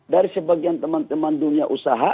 dari sebagian teman teman dunia usaha